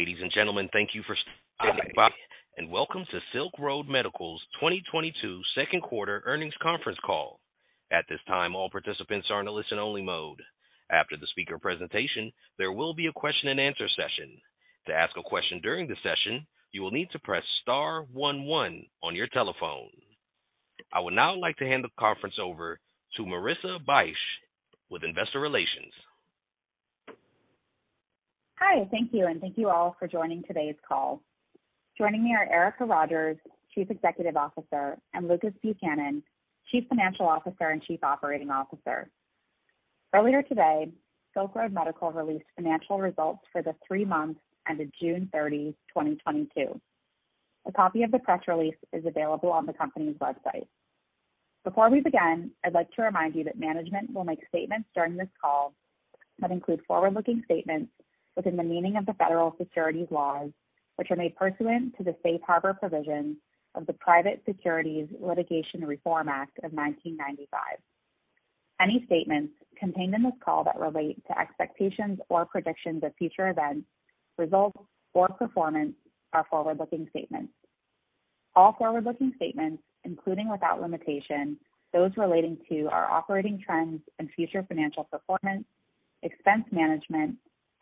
Ladies and gentlemen, thank you, and welcome to Silk Road Medical's 2022 second quarter earnings conference call. At this time, all participants are in a listen-only mode. After the speaker presentation, there will be a question and answer session. To ask a question during the session, you will need to press star one one on your telephone. I would now like to hand the conference over to Marissa Bych with Investor Relations. Hi. Thank you, and thank you all for joining today's call. Joining me are Erica Rogers, Chief Executive Officer, and Lucas Buchanan, Chief Financial Officer and Chief Operating Officer. Earlier today, Silk Road Medical released financial results for the three months ended June 30, 2022. A copy of the press release is available on the company's website. Before we begin, I'd like to remind you that management will make statements during this call that include forward-looking statements within the meaning of the federal securities laws, which are made pursuant to the safe harbor provisions of the Private Securities Litigation Reform Act of 1995. Any statements contained in this call that relate to expectations or predictions of future events, results, or performance are forward-looking statements. All forward-looking statements, including without limitation those relating to our operating trends and future financial performance, expense management,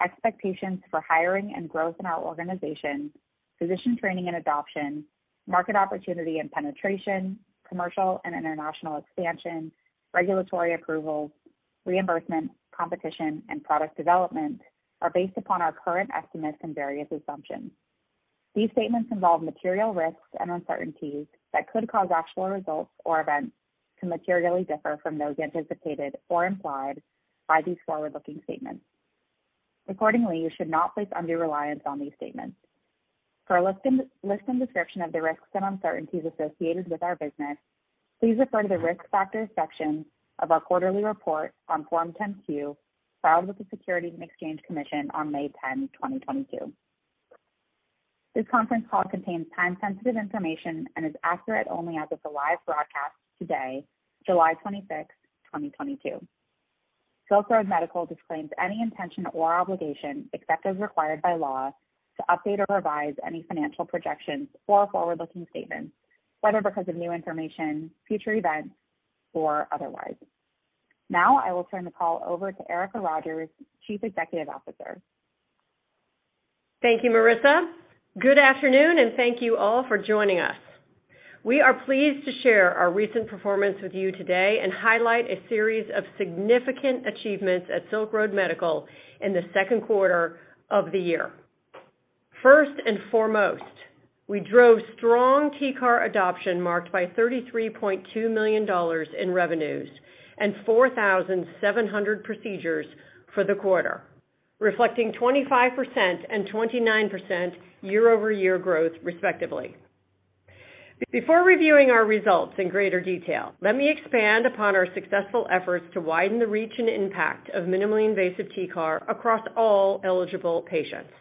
expectations for hiring and growth in our organization, physician training and adoption, market opportunity and penetration, commercial and international expansion, regulatory approvals, reimbursement, competition, and product development, are based upon our current estimates and various assumptions. These statements involve material risks and uncertainties that could cause actual results or events to materially differ from those anticipated or implied by these forward-looking statements. Accordingly, you should not place undue reliance on these statements. For a list and description of the risks and uncertainties associated with our business, please refer to the Risk Factors section of our quarterly report on Form 10-Q filed with the Securities and Exchange Commission on May 10, 2022. This conference call contains time-sensitive information and is accurate only as of the live broadcast today, July 26, 2022. Silk Road Medical disclaims any intention or obligation, except as required by law, to update or revise any financial projections or forward-looking statements, whether because of new information, future events, or otherwise. Now I will turn the call over to Erica Rogers, Chief Executive Officer. Thank you, Marissa. Good afternoon, and thank you all for joining us. We are pleased to share our recent performance with you today and highlight a series of significant achievements at Silk Road Medical in the second quarter of the year. First and foremost, we drove strong TCAR adoption marked by $33.2 million in revenues and 4,700 procedures for the quarter, reflecting 25% and 29% year-over-year growth, respectively. Before reviewing our results in greater detail, let me expand upon our successful efforts to widen the reach and impact of minimally invasive TCAR across all eligible patients.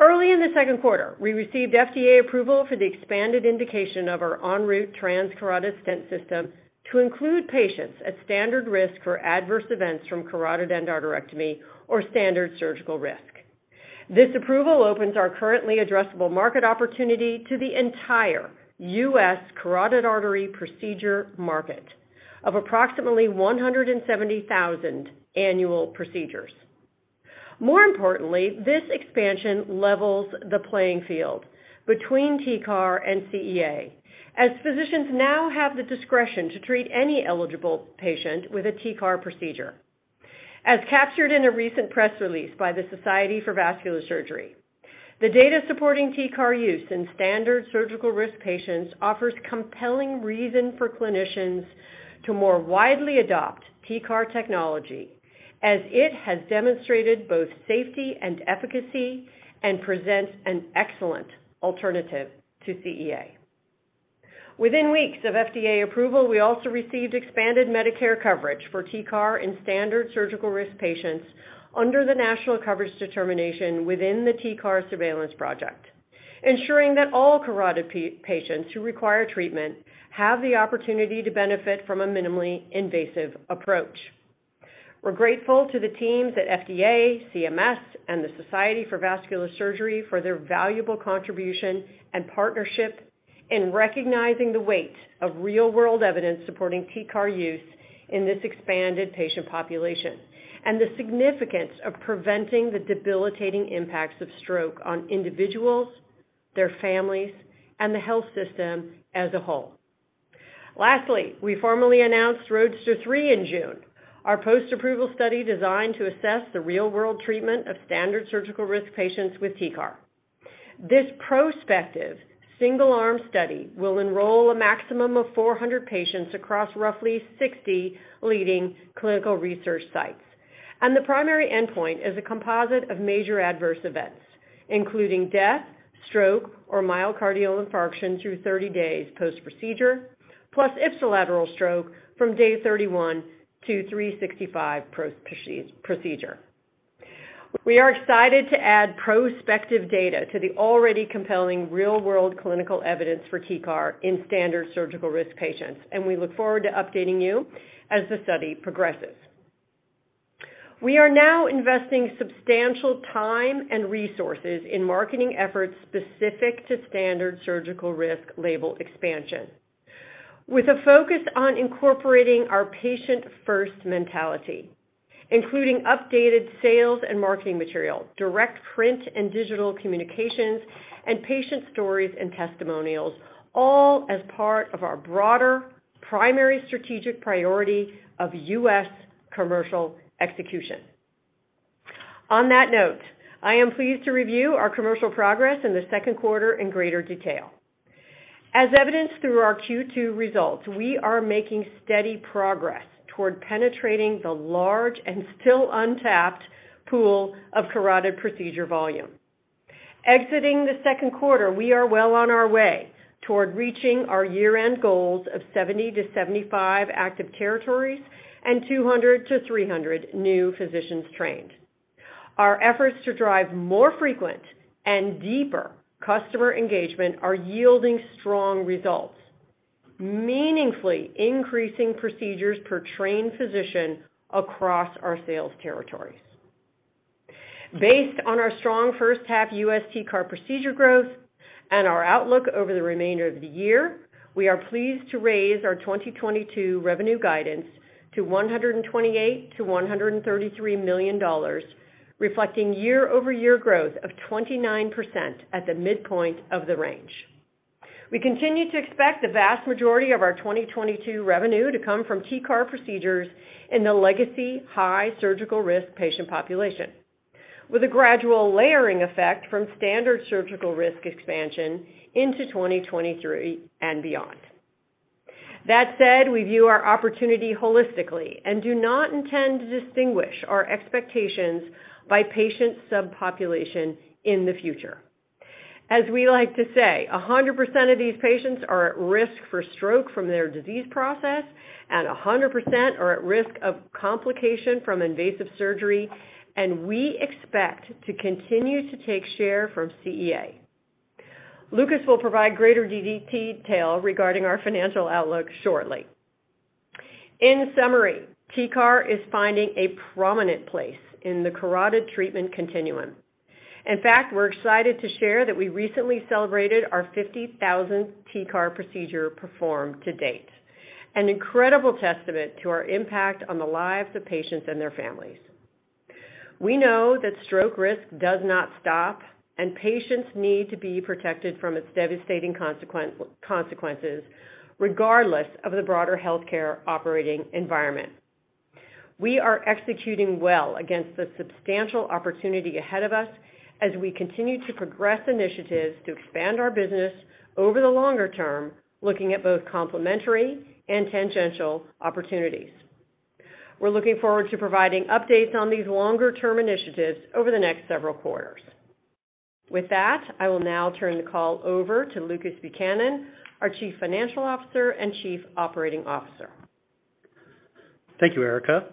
Early in the second quarter, we received FDA approval for the expanded indication of our ENROUTE Transcarotid Stent System to include patients at standard risk for adverse events from carotid endarterectomy or standard surgical risk. This approval opens our currently addressable market opportunity to the entire U.S. carotid artery procedure market of approximately 170,000 annual procedures. More importantly, this expansion levels the playing field between TCAR and CEA, as physicians now have the discretion to treat any eligible patient with a TCAR procedure. As captured in a recent press release by the Society for Vascular Surgery, the data supporting TCAR use in standard surgical risk patients offers compelling reason for clinicians to more widely adopt TCAR technology, as it has demonstrated both safety and efficacy and presents an excellent alternative to CEA. Within weeks of FDA approval, we also received expanded Medicare coverage for TCAR in standard surgical risk patients under the National Coverage Determination within the TCAR Surveillance Project, ensuring that all carotid patients who require treatment have the opportunity to benefit from a minimally invasive approach. We're grateful to the teams at FDA, CMS, and the Society for Vascular Surgery for their valuable contribution and partnership in recognizing the weight of real-world evidence supporting TCAR use in this expanded patient population and the significance of preventing the debilitating impacts of stroke on individuals, their families, and the health system as a whole. Lastly, we formally announced ROADSTER 3 in June, our post-approval study designed to assess the real-world treatment of standard surgical risk patients with TCAR. This prospective single-arm study will enroll a maximum of 400 patients across roughly 60 leading clinical research sites, and the primary endpoint is a composite of major adverse events, including death, stroke, or myocardial infarction through 30 days post-procedure, plus ipsilateral stroke from day 31 to 365 post-procedure. We are excited to add prospective data to the already compelling real-world clinical evidence for TCAR in standard surgical risk patients, and we look forward to updating you as the study progresses. We are now investing substantial time and resources in marketing efforts specific to standard surgical risk label expansion, with a focus on incorporating our patient first mentality, including updated sales and marketing material, direct print and digital communications, and patient stories and testimonials, all as part of our broader primary strategic priority of US commercial execution. On that note, I am pleased to review our commercial progress in the second quarter in greater detail. As evidenced through our Q2 results, we are making steady progress toward penetrating the large and still untapped pool of carotid procedure volume. Exiting the second quarter, we are well on our way toward reaching our year-end goals of 70-75 active territories and 200-300 new physicians trained. Our efforts to drive more frequent and deeper customer engagement are yielding strong results, meaningfully increasing procedures per trained physician across our sales territories. Based on our strong first half U.S. TCAR procedure growth and our outlook over the remainder of the year, we are pleased to raise our 2022 revenue guidance to $128 million-$133 million, reflecting year-over-year growth of 29% at the midpoint of the range. We continue to expect the vast majority of our 2022 revenue to come from TCAR procedures in the legacy high surgical risk patient population, with a gradual layering effect from standard surgical risk expansion into 2023 and beyond. That said, we view our opportunity holistically and do not intend to distinguish our expectations by patient subpopulation in the future. As we like to say, 100% of these patients are at risk for stroke from their disease process, and 100% are at risk of complication from invasive surgery, and we expect to continue to take share from CEA. Lucas will provide greater detail regarding our financial outlook shortly. In summary, TCAR is finding a prominent place in the carotid treatment continuum. In fact, we're excited to share that we recently celebrated our 50,000 TCAR procedure performed to date, an incredible testament to our impact on the lives of patients and their families. We know that stroke risk does not stop, and patients need to be protected from its devastating consequences regardless of the broader healthcare operating environment. We are executing well against the substantial opportunity ahead of us as we continue to progress initiatives to expand our business over the longer term, looking at both complementary and tangential opportunities. We're looking forward to providing updates on these longer-term initiatives over the next several quarters. With that, I will now turn the call over to Lucas Buchanan, our Chief Financial Officer and Chief Operating Officer. Thank you, Erica.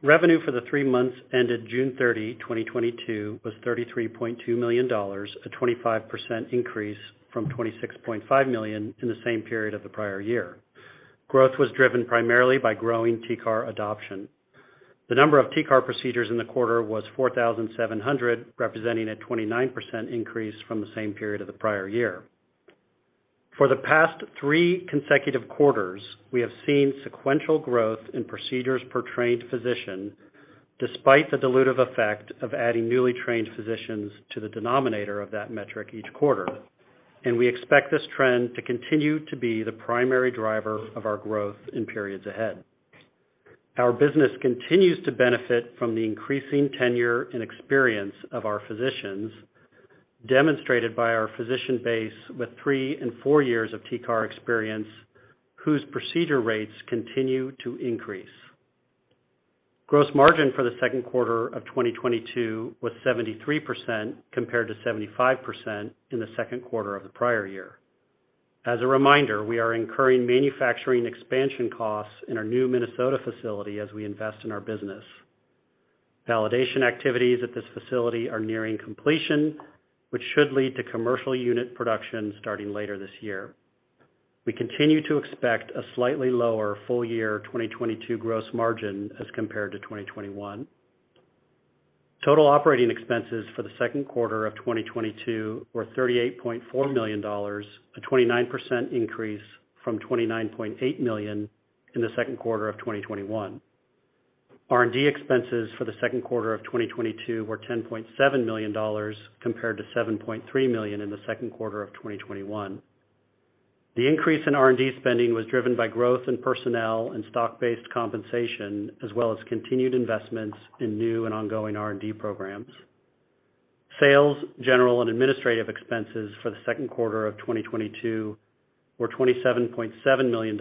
Revenue for the three months ended June 30, 2022 was $33.2 million, a 25% increase from $26.5 million in the same period of the prior year. Growth was driven primarily by growing TCAR adoption. The number of TCAR procedures in the quarter was 4,700, representing a 29% increase from the same period of the prior year. For the past 3 consecutive quarters, we have seen sequential growth in procedures per trained physician, despite the dilutive effect of adding newly trained physicians to the denominator of that metric each quarter, and we expect this trend to continue to be the primary driver of our growth in periods ahead. Our business continues to benefit from the increasing tenure and experience of our physicians, demonstrated by our physician base with three and four years of TCAR experience, whose procedure rates continue to increase. Gross margin for the second quarter of 2022 was 73%, compared to 75% in the second quarter of the prior year. As a reminder, we are incurring manufacturing expansion costs in our new Minnesota facility as we invest in our business. Validation activities at this facility are nearing completion, which should lead to commercial unit production starting later this year. We continue to expect a slightly lower full year 2022 gross margin as compared to 2021. Total operating expenses for the second quarter of 2022 were $38.4 million, a 29% increase from $29.8 million in the second quarter of 2021. R&D expenses for the second quarter of 2022 were $10.7 million compared to $7.3 million in the second quarter of 2021. The increase in R&D spending was driven by growth in personnel and stock-based compensation as well as continued investments in new and ongoing R&D programs. Sales, general, and administrative expenses for the second quarter of 2022 were $27.7 million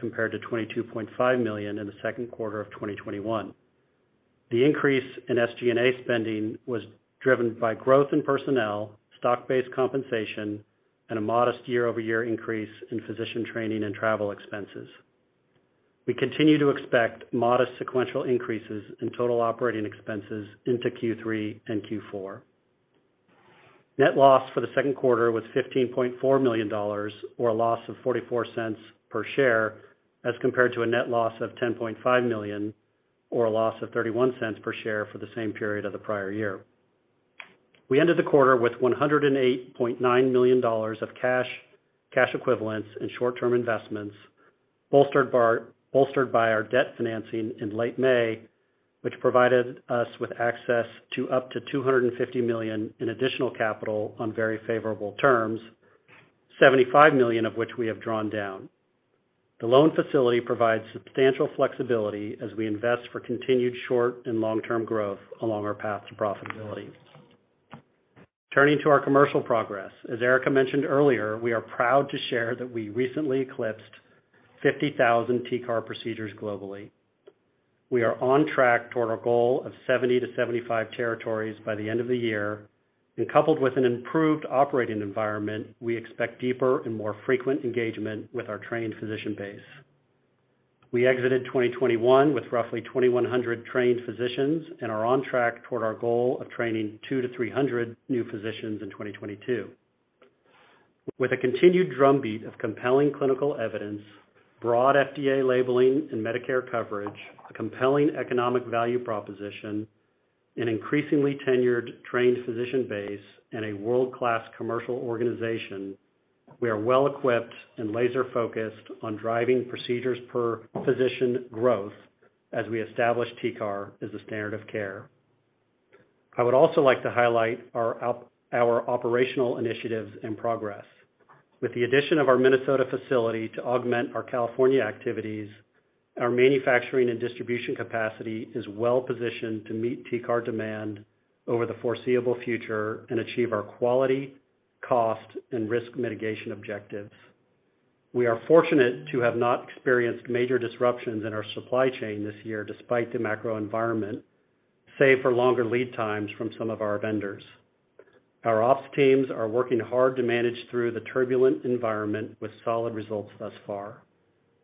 compared to $22.5 million in the second quarter of 2021. The increase in SG&A spending was driven by growth in personnel, stock-based compensation, and a modest year-over-year increase in physician training and travel expenses. We continue to expect modest sequential increases in total operating expenses into Q3 and Q4. Net loss for the second quarter was $15.4 million, or a loss of $0.44 per share, as compared to a net loss of $10.5 million or a loss of $0.31 per share for the same period of the prior year. We ended the quarter with $108.9 million of cash equivalents, and short-term investments, bolstered by our debt financing in late May, which provided us with access to up to $250 million in additional capital on very favorable terms, $75 million of which we have drawn down. The loan facility provides substantial flexibility as we invest for continued short and long-term growth along our path to profitability. Turning to our commercial progress, as Erica mentioned earlier, we are proud to share that we recently eclipsed 50,000 TCAR procedures globally. We are on track toward our goal of 70-75 territories by the end of the year. Coupled with an improved operating environment, we expect deeper and more frequent engagement with our trained physician base. We exited 2021 with roughly 2,100 trained physicians, and are on track toward our goal of training 200-300 new physicians in 2022. With a continued drumbeat of compelling clinical evidence, broad FDA labeling and Medicare coverage, a compelling economic value proposition, an increasingly tenured trained physician base, and a world-class commercial organization, we are well equipped and laser-focused on driving procedures per physician growth as we establish TCAR as a standard of care. I would also like to highlight our operational initiatives and progress. With the addition of our Minnesota facility to augment our California activities, our manufacturing and distribution capacity is well positioned to meet TCAR demand over the foreseeable future and achieve our quality, cost, and risk mitigation objectives. We are fortunate to have not experienced major disruptions in our supply chain this year despite the macro environment, save for longer lead times from some of our vendors. Our ops teams are working hard to manage through the turbulent environment with solid results thus far.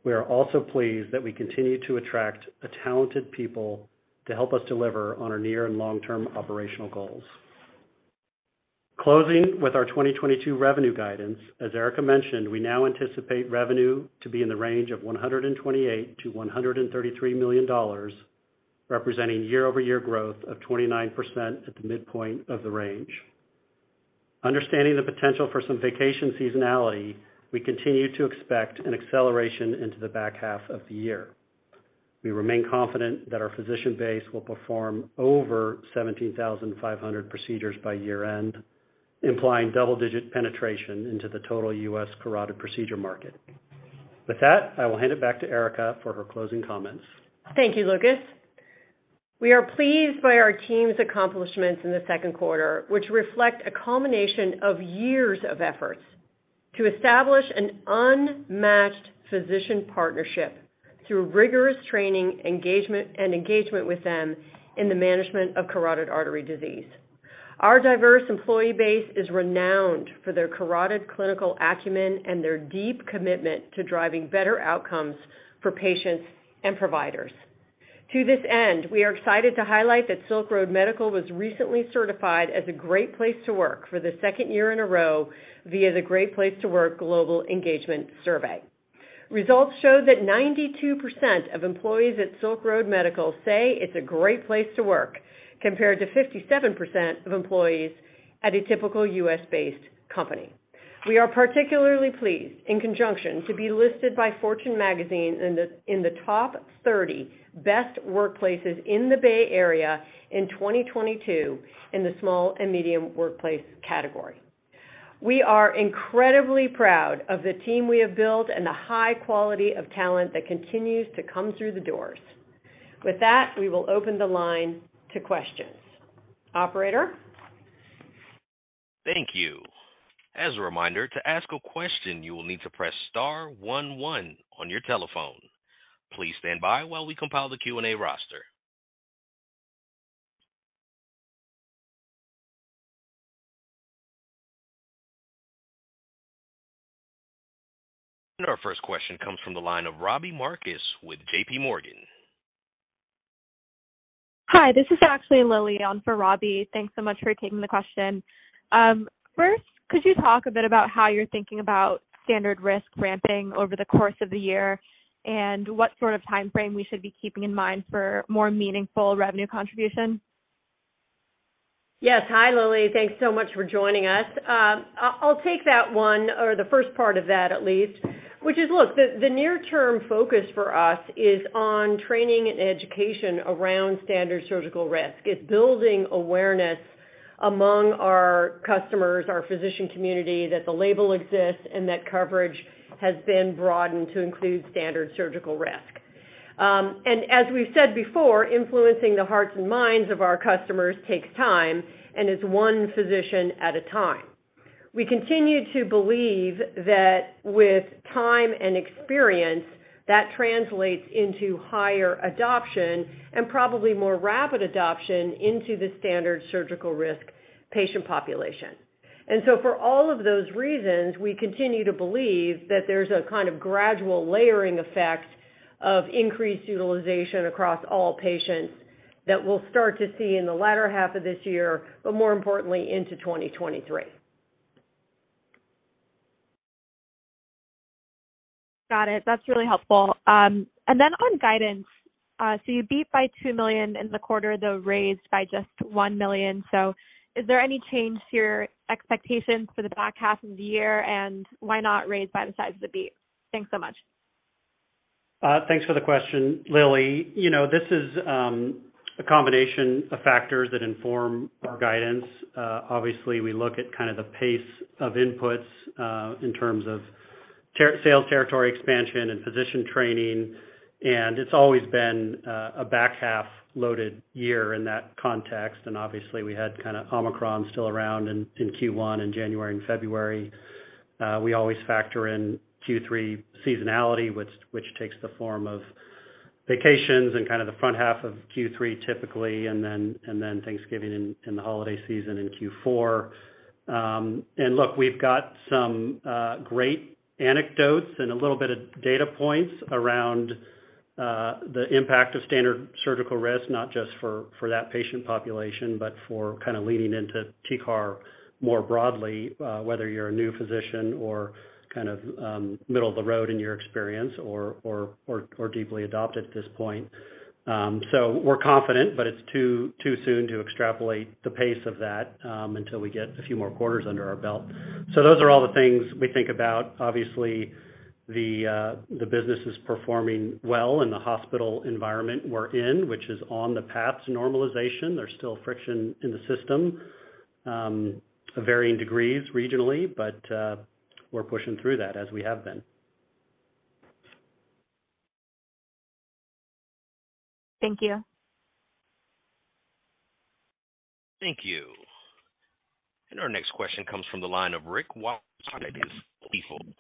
We are also pleased that we continue to attract talented people to help us deliver on our near and long-term operational goals. Closing with our 2022 revenue guidance, as Erica mentioned, we now anticipate revenue to be in the range of $128 million-$133 million, representing year-over-year growth of 29% at the midpoint of the range. Understanding the potential for some vacation seasonality, we continue to expect an acceleration into the back half of the year. We remain confident that our physician base will perform over 17,500 procedures by year-end, implying double-digit penetration into the total U.S. carotid procedure market. With that, I will hand it back to Erica for her closing comments. Thank you, Lucas. We are pleased by our team's accomplishments in the second quarter, which reflect a culmination of years of efforts to establish an unmatched physician partnership through rigorous training engagement and engagement with them in the management of carotid artery disease. Our diverse employee base is renowned for their carotid clinical acumen and their deep commitment to driving better outcomes for patients and providers. To this end, we are excited to highlight that Silk Road Medical was recently certified as a Great Place to Work for the second year in a row via the Great Place to Work Global Engagement Survey. Results show that 92% of employees at Silk Road Medical say it's a Great Place to Work, compared to 57% of employees at a typical U.S.-based company. We are particularly pleased in conjunction to be listed by Fortune Magazine in the top 30 best workplaces in the Bay Area in 2022 in the small and medium workplace category. We are incredibly proud of the team we have built and the high quality of talent that continues to come through the doors. With that, we will open the line to questions. Operator? Thank you. As a reminder, to ask a question, you will need to press star one one on your telephone. Please stand by while we compile the Q&A roster. Our first question comes from the line of Robbie Marcus with J.P. Morgan. Hi, this is actually Lily on for Robbie. Thanks so much for taking the question. First, could you talk a bit about how you're thinking about standard risk ramping over the course of the year and what sort of timeframe we should be keeping in mind for more meaningful revenue contribution? Yes. Hi, Lily. Thanks so much for joining us. I'll take that one, or the first part of that at least, which is, look, the near-term focus for us is on training and education around standard surgical risk. It's building awareness among our customers, our physician community, that the label exists and that coverage has been broadened to include standard surgical risk. As we've said before, influencing the hearts and minds of our customers takes time and is one physician at a time. We continue to believe that with time and experience, that translates into higher adoption and probably more rapid adoption into the standard surgical risk patient population. For all of those reasons, we continue to believe that there's a kind of gradual layering effect of increased utilization across all patients that we'll start to see in the latter half of this year, but more importantly into 2023. Got it. That's really helpful. On guidance, you beat by $2 million in the quarter, though raised by just $1 million. Is there any change to your expectations for the back half of the year, and why not raise by the size of the beat? Thanks so much. Thanks for the question, Lily. You know, this is a combination of factors that inform our guidance. Obviously, we look at kind of the pace of inputs in terms of sales territory expansion and physician training, and it's always been a back-half loaded year in that context. Obviously, we had kind of Omicron still around in Q1, in January and February. We always factor in Q3 seasonality, which takes the form of vacations in kind of the front half of Q3 typically, and then Thanksgiving and the holiday season in Q4. Look, we've got some great anecdotes and a little bit of data points around the impact of standard surgical risk, not just for that patient population, but for kind of leading into TCAR more broadly, whether you're a new physician or kind of middle of the road in your experience or deeply adopted at this point. We're confident, but it's too soon to extrapolate the pace of that until we get a few more quarters under our belt. Those are all the things we think about. Obviously, the business is performing well in the hospital environment we're in, which is on the path to normalization. There's still friction in the system of varying degrees regionally, but we're pushing through that as we have been. Thank you. Thank you. Our next question comes from the line of Rick Wise at Stifel.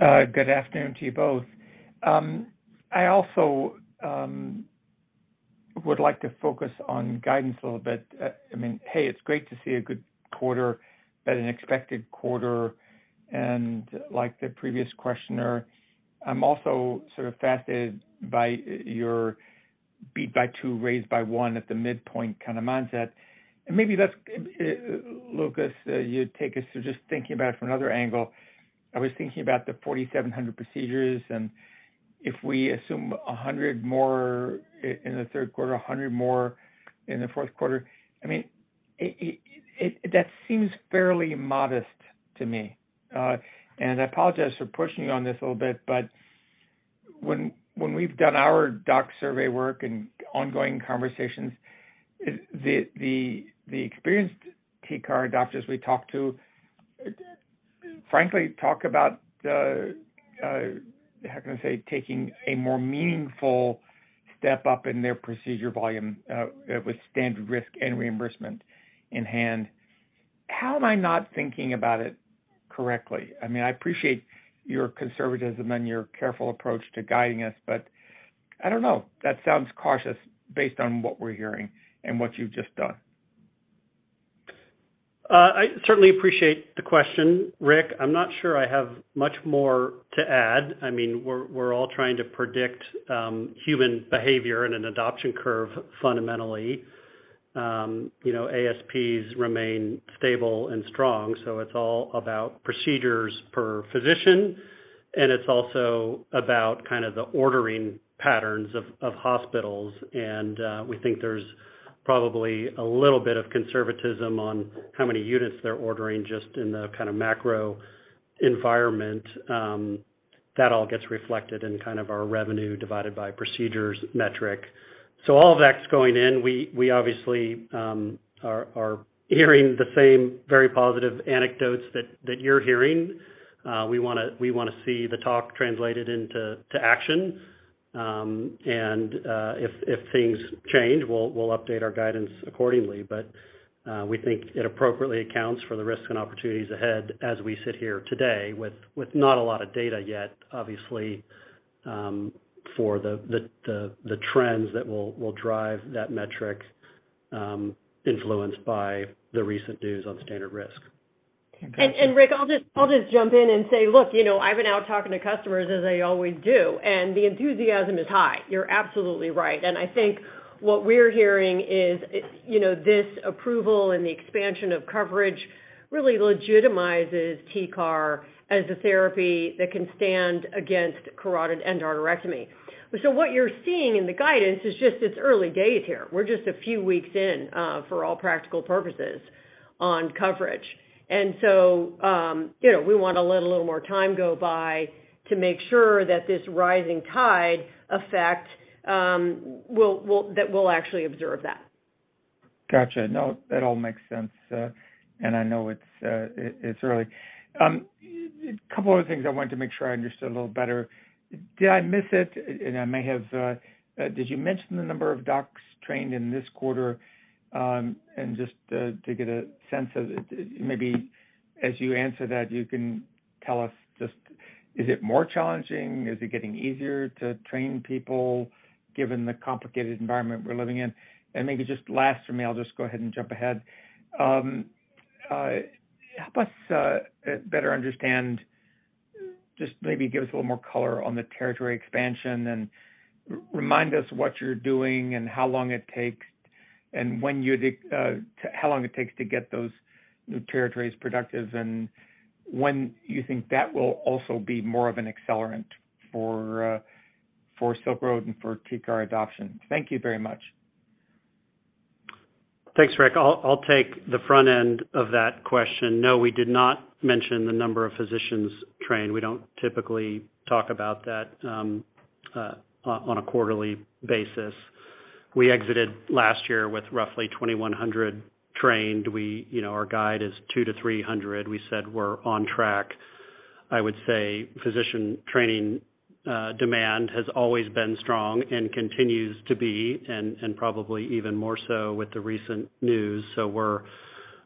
Good afternoon to you both. I also would like to focus on guidance a little bit. I mean, hey, it's great to see a good quarter at an expected quarter. Like the previous questioner, I'm also sort of fascinated by your beat by 2, raised by 1 at the midpoint kind of mindset. Maybe that's, Lucas, you'd take us to just thinking about it from another angle. I was thinking about the 4,700 procedures, and if we assume 100 more in the third quarter, 100 more in the fourth quarter, I mean, that seems fairly modest to me. I apologize for pushing you on this a little bit, but when we've done our doc survey work and ongoing conversations, the experienced TCAR doctors we talk to frankly talk about how can I say, taking a more meaningful step up in their procedure volume with standard risk and reimbursement in hand. How am I not thinking about it correctly? I mean, I appreciate your conservatism and your careful approach to guiding us, but I don't know, that sounds cautious based on what we're hearing and what you've just done. I certainly appreciate the question, Rick. I'm not sure I have much more to add. I mean, we're all trying to predict human behavior in an adoption curve fundamentally. You know, ASPs remain stable and strong, so it's all about procedures per physician, and it's also about kind of the ordering patterns of hospitals. We think there's probably a little bit of conservatism on how many units they're ordering just in the kind of macro environment, that all gets reflected in kind of our revenue divided by procedures metric. All of that's going in. We obviously are hearing the same very positive anecdotes that you're hearing. We wanna see the talk translated into action. If things change, we'll update our guidance accordingly. We think it appropriately accounts for the risks and opportunities ahead as we sit here today with not a lot of data yet, obviously, for the trends that will drive that metric, influenced by the recent news on standard risk. Rick, I'll just jump in and say, look, you know, I've been out talking to customers as I always do, and the enthusiasm is high. You're absolutely right. I think what we're hearing is, you know, this approval and the expansion of coverage really legitimizes TCAR as a therapy that can stand against carotid endarterectomy. What you're seeing in the guidance is just it's early days here. We're just a few weeks in, for all practical purposes on coverage. You know, we wanna let a little more time go by to make sure that this rising tide effect that we'll actually observe that. Gotcha. No, that all makes sense. I know it's early. A couple other things I wanted to make sure I understood a little better. Did I miss it? I may have. Did you mention the number of docs trained in this quarter? To get a sense of it, maybe as you answer that, you can tell us just is it more challenging? Is it getting easier to train people given the complicated environment we're living in? Maybe just last for me, I'll just go ahead and jump ahead. Help us better understand. Just maybe give us a little more color on the territory expansion and remind us what you're doing and how long it takes to get those new territories productive and when you think that will also be more of an accelerant for Silk Road and for TCAR adoption. Thank you very much. Thanks, Rick. I'll take the front end of that question. No, we did not mention the number of physicians trained. We don't typically talk about that on a quarterly basis. We exited last year with roughly 2,100 trained. You know, our guide is 200-300. We said we're on track. I would say physician training demand has always been strong and continues to be and probably even more so with the recent news.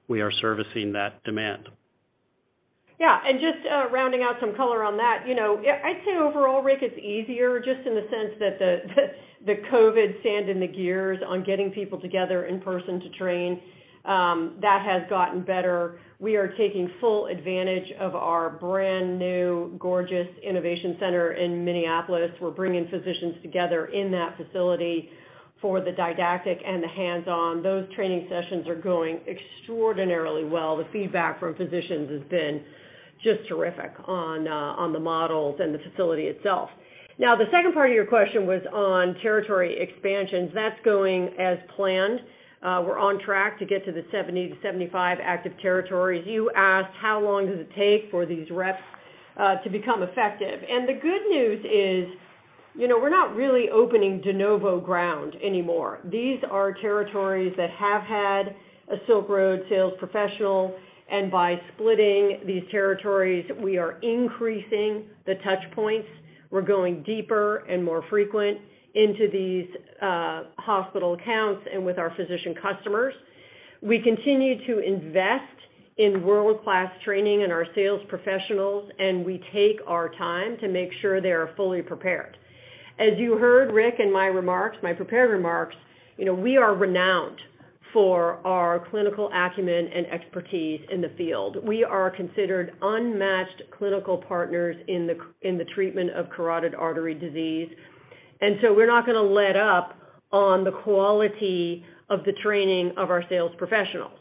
We are servicing that demand. Just rounding out some color on that, you know, I'd say overall, Rick, it's easier just in the sense that the COVID sand in the gears on getting people together in person to train, that has gotten better. We are taking full advantage of our brand new gorgeous innovation center in Minneapolis. We're bringing physicians together in that facility for the didactic and the hands-on. Those training sessions are going extraordinarily well. The feedback from physicians has been just terrific on the models and the facility itself. Now, the second part of your question was on territory expansions. That's going as planned. We're on track to get to the 70-75 active territories. You asked how long does it take for these reps to become effective. The good news is, you know, we're not really opening de novo ground anymore. These are territories that have had a Silk Road sales professional, and by splitting these territories, we are increasing the touch points. We're going deeper and more frequent into these hospital accounts and with our physician customers. We continue to invest in world-class training and our sales professionals, and we take our time to make sure they are fully prepared. As you heard Rick in my remarks, my prepared remarks, you know, we are renowned for our clinical acumen and expertise in the field. We are considered unmatched clinical partners in the treatment of carotid artery disease. We're not gonna let up on the quality of the training of our sales professionals.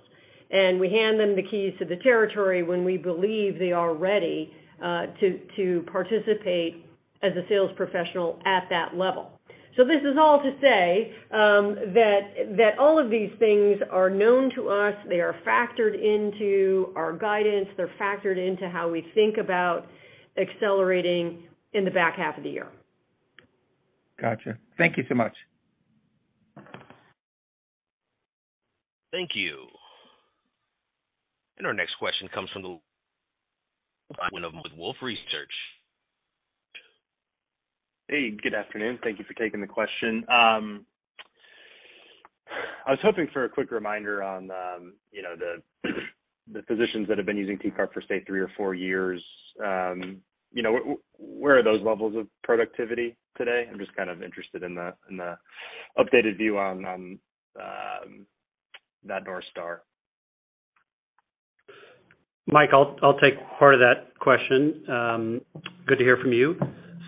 We hand them the keys to the territory when we believe they are ready to participate as a sales professional at that level. This is all to say that all of these things are known to us. They are factored into our guidance. They're factored into how we think about accelerating in the back half of the year. Gotcha. Thank you so much. Thank you. Our next question comes from the line of [Mike Weinstein] with Wolfe Research. Hey, good afternoon. Thank you for taking the question. I was hoping for a quick reminder on, you know, the physicians that have been using TCAR for, say, three or four years. You know, where are those levels of productivity today? I'm just kind of interested in the updated view on that North Star. Mike, I'll take part of that question. Good to hear from you.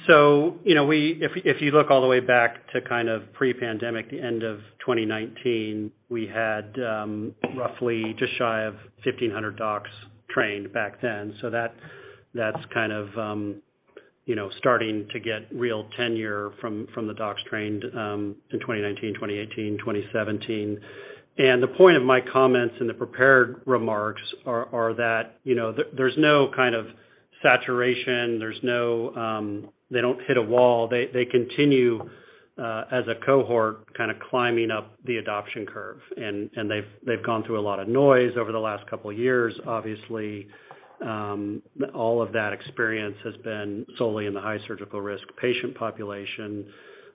So, you know, if you look all the way back to kind of pre-pandemic, the end of 2019, we had roughly just shy of 1,500 docs trained back then. So that's kind of, you know, starting to get real tenure from the docs trained in 2019, 2018, 2017. The point of my comments in the prepared remarks are that, you know, there's no kind of saturation. They don't hit a wall. They continue as a cohort kind of climbing up the adoption curve. They've gone through a lot of noise over the last couple years, obviously. All of that experience has been solely in the high surgical risk patient population.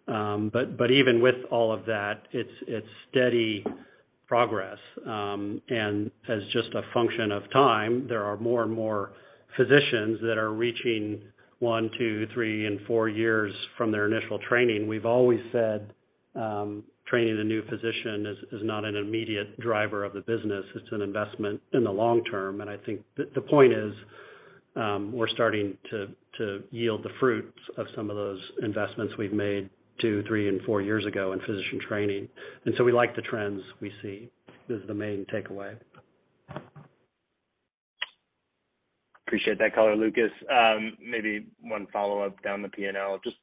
Even with all of that, it's steady progress. As just a function of time, there are more and more physicians that are reaching one, two, three and four years from their initial training. We've always said, training a new physician is not an immediate driver of the business. It's an investment in the long term. I think the point is, we're starting to yield the fruits of some of those investments we've made two, three, and four years ago in physician training. We like the trends we see is the main takeaway. Appreciate that color, Lucas. Maybe one follow-up down the P&L. Just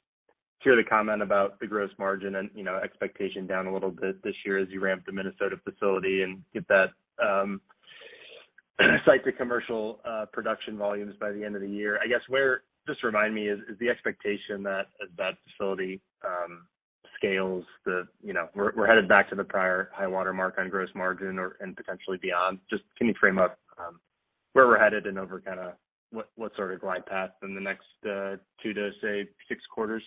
heard the comment about the gross margin and, you know, expectation down a little bit this year as you ramp the Minnesota facility and get that site to commercial production volumes by the end of the year. I guess just remind me, is the expectation that as that facility scales, you know, we're headed back to the prior high water mark on gross margin or and potentially beyond. Just can you frame up where we're headed and over kind of what sort of glide path in the next two to, say, six quarters?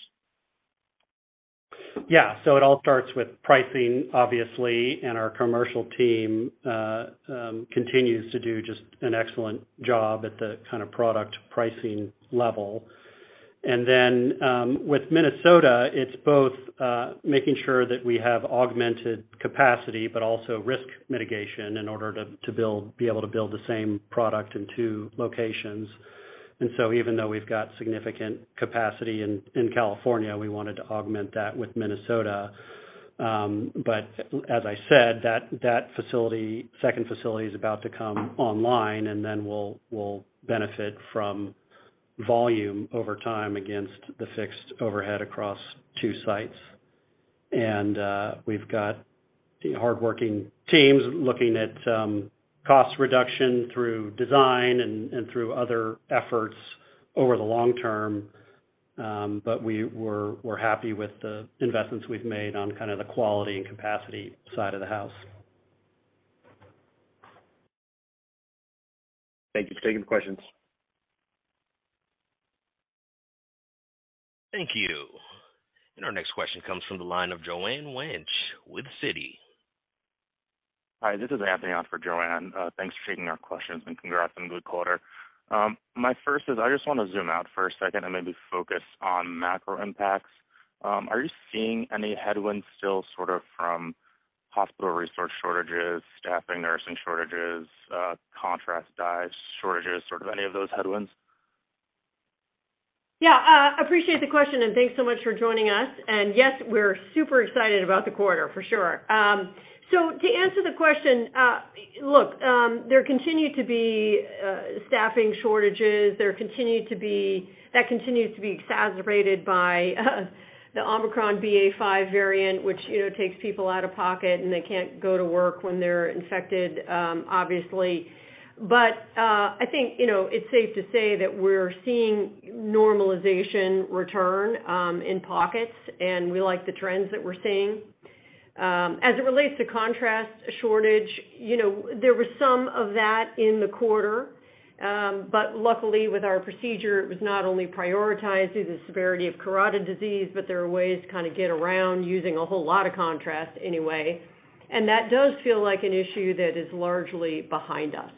Yeah. It all starts with pricing, obviously, and our commercial team continues to do just an excellent job at the kind of product pricing level. With Minnesota, it's both making sure that we have augmented capacity, but also risk mitigation in order to be able to build the same product in two locations. Even though we've got significant capacity in California, we wanted to augment that with Minnesota. As I said, that second facility is about to come online, and then we'll benefit from volume over time against the fixed overhead across two sites. We've got hardworking teams looking at cost reduction through design and through other efforts over the long term. We're happy with the investments we've made on kind of the quality and capacity side of the house. Thank you for taking the questions. Thank you. Our next question comes from the line of Joanne Wuensch with Citi. Hi, this is Anthony on for Joanne. Thanks for taking our questions, and congrats on a good quarter. My first is I just want to zoom out for a second and maybe focus on macro impacts. Are you seeing any headwinds still sort of from hospital resource shortages, staffing nursing shortages, contrast dyes shortages, sort of any of those headwinds? Yeah, appreciate the question, and thanks so much for joining us. Yes, we're super excited about the quarter for sure. To answer the question, there continue to be staffing shortages. That continues to be exacerbated by the Omicron BA.5 variant, which, you know, takes people out of pocket, and they can't go to work when they're infected, obviously. I think, you know, it's safe to say that we're seeing normalization return in pockets, and we like the trends that we're seeing. As it relates to contrast shortage, you know, there was some of that in the quarter. Luckily with our procedure, it was not only prioritized through the severity of carotid disease, but there are ways to kind of get around using a whole lot of contrast anyway. That does feel like an issue that is largely behind us.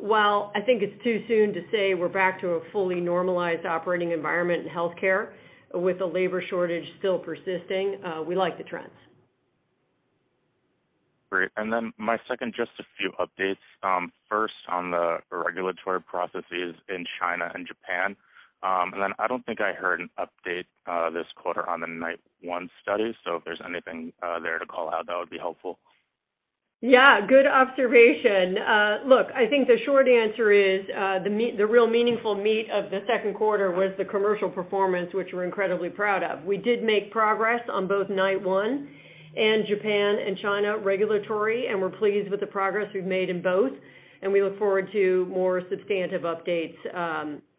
While I think it's too soon to say we're back to a fully normalized operating environment in healthcare with the labor shortage still persisting, we like the trends. Great. My second, just a few updates. First on the regulatory processes in China and Japan. I don't think I heard an update, this quarter on the [KNIGHT 1] study. If there's anything, there to call out, that would be helpful. Yeah, good observation. Look, I think the short answer is, the real meaningful meat of the second quarter was the commercial performance, which we're incredibly proud of. We did make progress on both KNIGHT 1 and Japan and China regulatory, and we're pleased with the progress we've made in both, and we look forward to more substantive updates,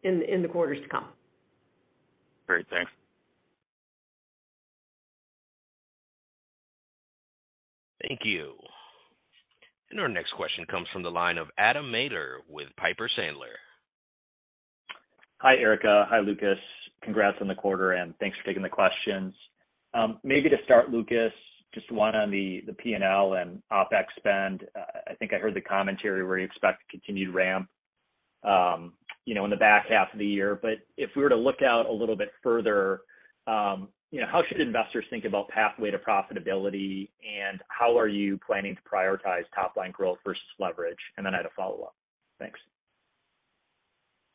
in the quarters to come. Great. Thanks. Thank you. Our next question comes from the line of Adam Maeder with Piper Sandler. Hi, Erica. Hi, Lucas. Congrats on the quarter, and thanks for taking the questions. Maybe to start, Lucas, just one on the P&L and OpEx spend. I think I heard the commentary where you expect continued ramp, you know, in the back half of the year. If we were to look out a little bit further, you know, how should investors think about pathway to profitability, and how are you planning to prioritize top line growth versus leverage? Then I had a follow-up. Thanks.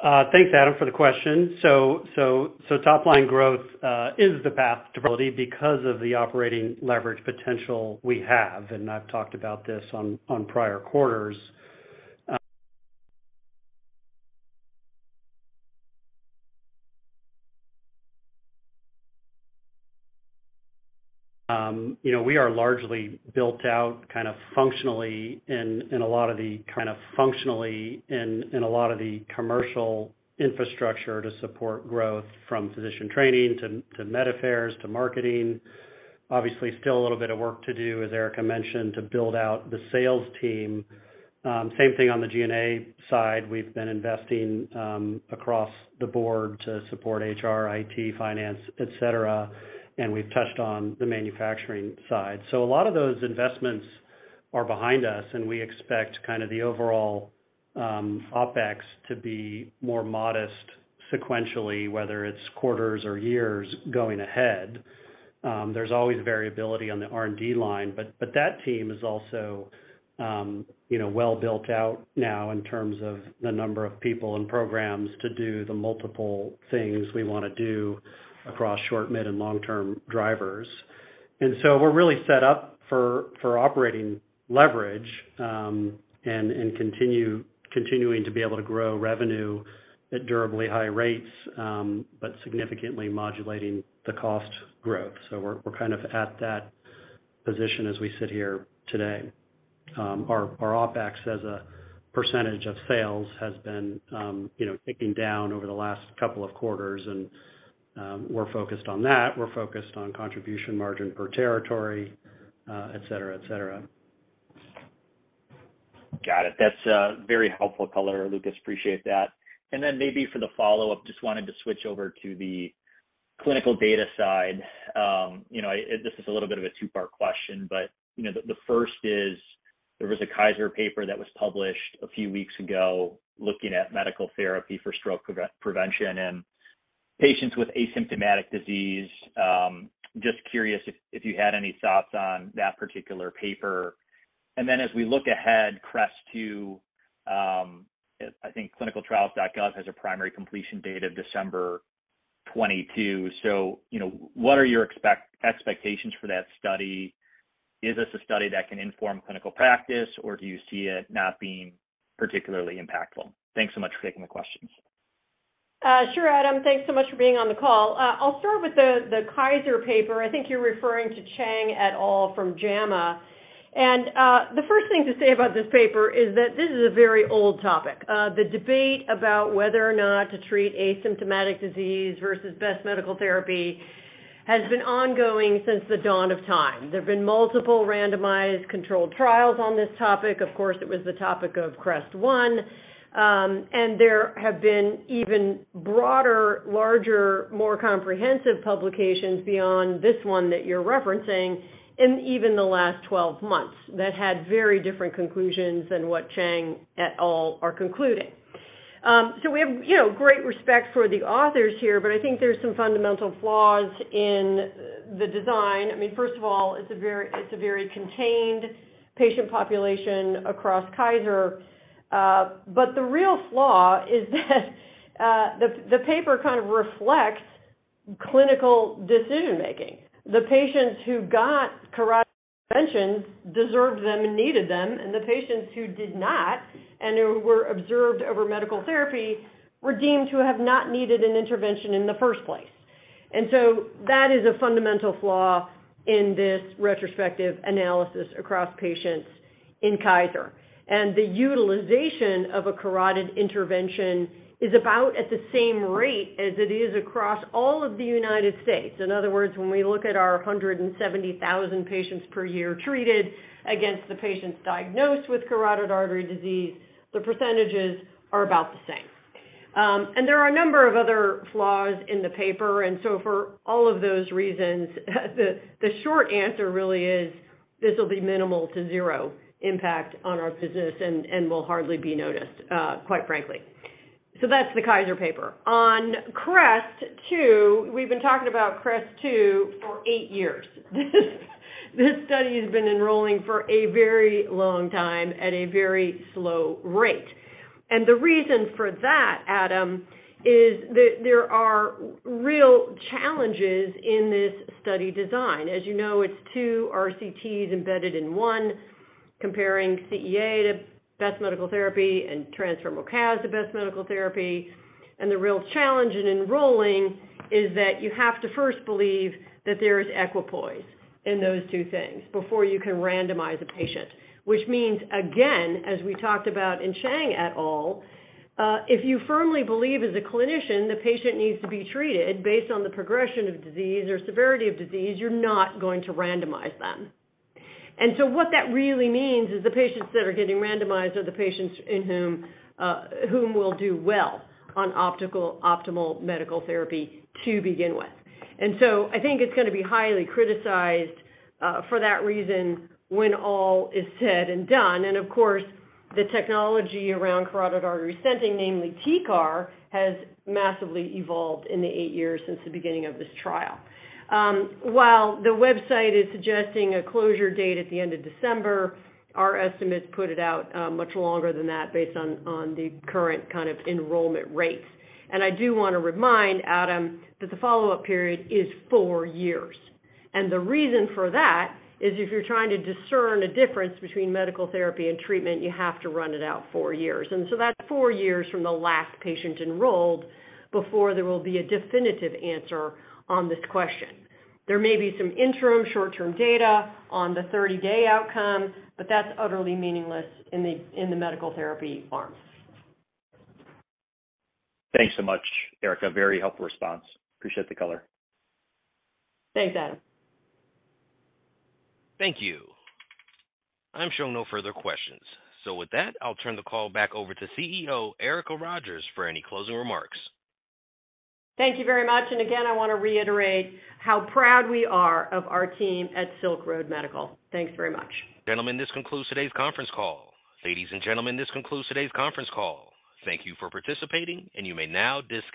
Thanks, Adam, for the question. Top line growth is the path to profitability because of the operating leverage potential we have. I've talked about this on prior quarters. You know, we are largely built out kind of functionally in a lot of the commercial infrastructure to support growth from physician training to med affairs to marketing. Obviously, still a little bit of work to do, as Erica mentioned, to build out the sales team. Same thing on the G&A side. We've been investing across the board to support HR, IT, finance, et cetera, and we've touched on the manufacturing side. A lot of those investments are behind us, and we expect kind of the overall OpEx to be more modest sequentially, whether it's quarters or years going ahead. There's always variability on the R&D line, but that team is also, you know, well built out now in terms of the number of people and programs to do the multiple things we wanna do across short, mid, and long-term drivers. We're really set up for operating leverage and continuing to be able to grow revenue at durably high rates, but significantly modulating the cost growth. We're kind of at that position as we sit here today. Our OpEx as a percentage of sales has been, you know, ticking down over the last couple of quarters, and we're focused on that. We're focused on contribution margin per territory, et cetera, et cetera. Got it. That's very helpful color, Lucas. Appreciate that. Then maybe for the follow-up, just wanted to switch over to the clinical data side. You know, this is a little bit of a two-part question, but you know, the first is. There was a Kaiser paper that was published a few weeks ago looking at medical therapy for stroke prevention in patients with asymptomatic disease. Just curious if you had any thoughts on that particular paper. Then as we look ahead, CREST-2, I think ClinicalTrials.gov has a primary completion date of December 2022. You know, what are your expectations for that study? Is this a study that can inform clinical practice, or do you see it not being particularly impactful? Thanks so much for taking the questions. Sure, Adam. Thanks so much for being on the call. I'll start with the Kaiser paper. I think you're referring to [Chang et al] from JAMA. The first thing to say about this paper is that this is a very old topic. The debate about whether or not to treat asymptomatic disease versus best medical therapy has been ongoing since the dawn of time. There have been multiple randomized controlled trials on this topic. Of course, it was the topic of CREST-1. There have been even broader, larger, more comprehensive publications beyond this one that you're referencing in even the last 12 months that had very different conclusions than what Chang et al are concluding. We have, you know, great respect for the authors here, but I think there's some fundamental flaws in the design. I mean, first of all, it's a very contained patient population across Kaiser. But the real flaw is that the paper kind of reflects clinical decision-making. The patients who got carotid interventions deserved them and needed them, and the patients who did not and who were observed over medical therapy were deemed to have not needed an intervention in the first place. That is a fundamental flaw in this retrospective analysis across patients in Kaiser. The utilization of a carotid intervention is about at the same rate as it is across all of the United States. In other words, when we look at our 170,000 patients per year treated against the patients diagnosed with carotid artery disease, the percentages are about the same. There are a number of other flaws in the paper. For all of those reasons, the short answer really is this will be minimal to zero impact on our business and will hardly be noticed, quite frankly. That's the Kaiser paper. On CREST-2, we've been talking about CREST-2 for eight years. This study has been enrolling for a very long time at a very slow rate. The reason for that, Adam, is that there are real challenges in this study design. As you know, it's two RCTs embedded in one, comparing CEA to best medical therapy and transfemoral CAS to best medical therapy. The real challenge in enrolling is that you have to first believe that there is equipoise in those two things before you can randomize a patient, which means, again, as we talked about in Chang et al, if you firmly believe as a clinician the patient needs to be treated based on the progression of disease or severity of disease, you're not going to randomize them. What that really means is the patients that are getting randomized are the patients in whom whom will do well on optimal medical therapy to begin with. I think it's gonna be highly criticized for that reason when all is said and done. Of course, the technology around carotid artery stenting, namely TCAR, has massively evolved in the eight years since the beginning of this trial. While the website is suggesting a closure date at the end of December, our estimates put it out much longer than that based on the current kind of enrollment rates. I do wanna remind, Adam, that the follow-up period is four years. The reason for that is if you're trying to discern a difference between medical therapy and treatment, you have to run it out four years. That's four years from the last patient enrolled before there will be a definitive answer on this question. There may be some interim short-term data on the 30-day outcome, but that's utterly meaningless in the medical therapy arm. Thanks so much, Erica. Very helpful response. Appreciate the color. Thanks, Adam. Thank you. I'm showing no further questions. With that, I'll turn the call back over to CEO Erica Rogers for any closing remarks. Thank you very much. Again, I wanna reiterate how proud we are of our team at Silk Road Medical. Thanks very much. Ladies and gentlemen, this concludes today's conference call. Thank you for participating, and you may now disconnect.